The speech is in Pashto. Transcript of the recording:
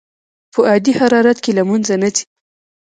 په عادي حرارت کې له منځه نه ځي.